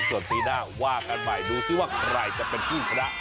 ส่วนปีหน้าว่ากันใหม่ดูซิว่าใครจะเป็นผู้ชนะ